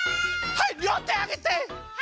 はい！